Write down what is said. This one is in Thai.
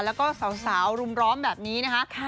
แล้วก็สาวรุมร้อมแบบนี้นะคะ